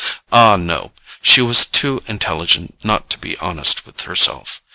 Ah, no—she was too intelligent not to be honest with herself.